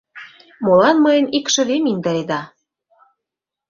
Молан мыйын икшывем индыреда?